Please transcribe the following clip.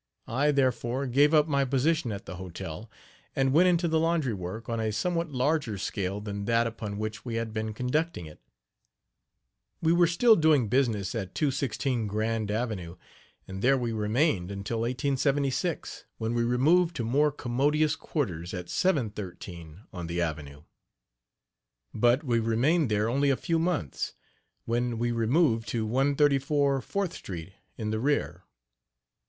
I, therefore, gave up my position at the hotel, and went into the laundry work on a somewhat larger scale than that upon which we had been conducting it. We were still doing business at 216 Grand avenue, and there we remained until 1876; when we removed to more commodious quarters at 713 on the avenue. But we remained there only a few months, when we removed to 134 Fourth street in the rear.